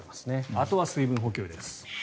あとは水分補給です。